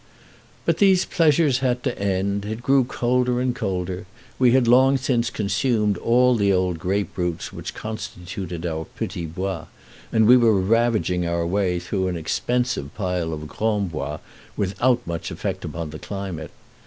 But these pleasures had to end; it grew colder and colder; we had long since consumed all the old grape roots which constituted our petit bois, and we were ravaging our way through an expensive pile of grand bois without much effect upon the climate.